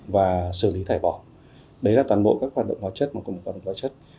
và sử lý thải bỏ đấy là toàn bộ các hoạt động hóa chất mà có một hoạt động hóa chất